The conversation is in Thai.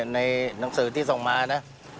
ในหนังสือที่ส่งมานะ